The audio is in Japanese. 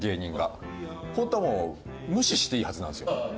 ホントはもう無視していいはずなんですよ。